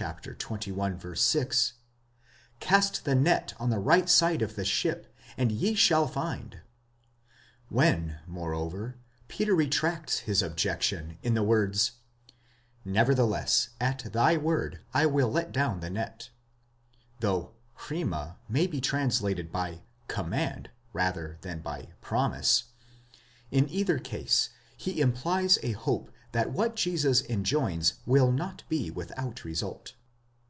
6, Cast the net on the right side of the ship, and ye shall find. When, moreover, Peter retracts his objection in the words, JVevertheless at thy word I will let down the net, ἐπὶ δὲ τῷ ῥήματί cov χαλάσω τὸ δίκτυον, though ῥῆμα may be translated by command rather than by promise, in either case he implies a hope that what Jesus enjoins will not be without result.